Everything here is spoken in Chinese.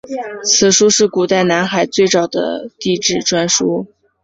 此书是古代南海最早的地志专书。